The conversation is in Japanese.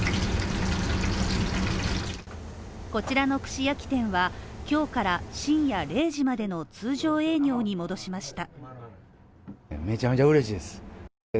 こちらの串焼き店は今日から深夜０時までの通常営業に戻しました。